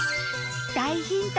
大ヒント！